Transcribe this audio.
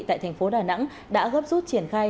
tại thành phố đà nẵng đã gấp rút triển khai